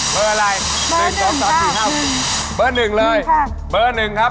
เบอร์๑ครับ